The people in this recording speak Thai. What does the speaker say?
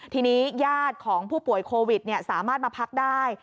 ทีนี้ญาติของผู้ป่วยโควิดสามารถมาพักได้